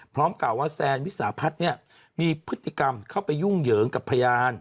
กล่าวว่าแซนวิสาพัฒน์เนี่ยมีพฤติกรรมเข้าไปยุ่งเหยิงกับพยาน